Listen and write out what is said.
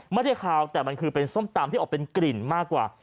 ไม่ได้คาวแต่มันคือเป็นส้มตำที่ออกเป็นกลิ่นมากกว่า